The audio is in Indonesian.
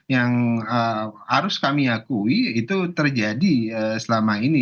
yang harus kami akui itu terjadi selama ini